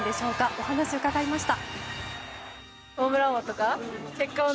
お話を伺いました。